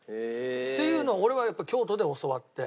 っていうのを俺は京都で教わって。